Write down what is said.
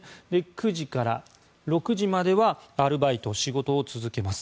９時から６時まではアルバイト、仕事を続けます。